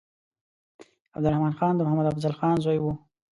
عبدالرحمن خان د محمد افضل خان زوی وو.